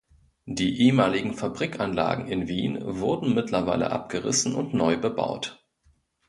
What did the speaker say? Die ehemaligen Fabrikanlagen in Wien wurden mittlerweile abgerissen und neu bebaut.